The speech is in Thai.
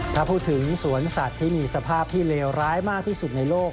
ถ้าพูดถึงสวนสัตว์ที่มีสภาพที่เลวร้ายมากที่สุดในโลก